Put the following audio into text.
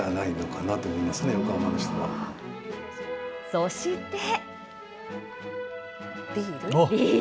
そして。